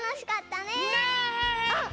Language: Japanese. あっ！